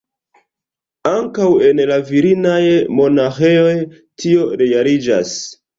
Ankaŭ en la virinaj monaĥejoj tio realiĝas.